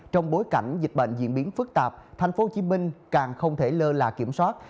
trong bối cảnh dịch bệnh diễn biến phức tạp thành phố hồ chí minh càng không thể lơ là kiểm soát